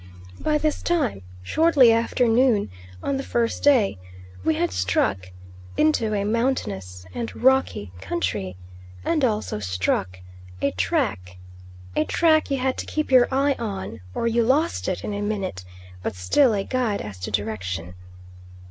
By this time, shortly after noon on the first day, we had struck into a mountainous and rocky country, and also struck a track a track you had to keep your eye on or you lost it in a minute, but still a guide as to direction.